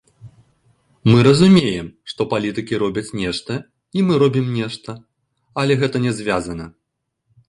Мы разумеем, што палітыкі робяць нешта і мы робім нешта, але гэта не звязана.